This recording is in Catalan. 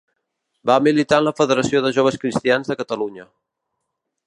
Va militar en la Federació de Joves Cristians de Catalunya.